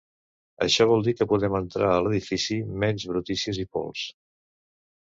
Això vol dir que poden entrar a l'edifici menys brutícies i pols.